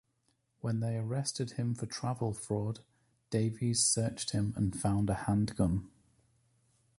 When they arrested him for travel fraud, Davies searched him and found a handgun.